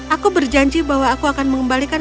aku berjanji bahwa aku akan mengembalikan